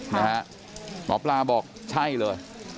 หมอปลาบอกใช่เลย